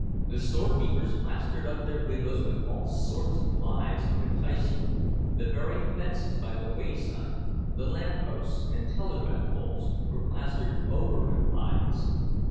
The store keepers plastered up their windows with all sorts of lies to entice you; the very fences by the wayside, the lampposts and telegraph poles, were pasted over with lies.